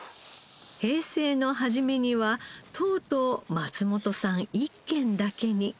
平成の初めにはとうとう松本さん一軒だけに。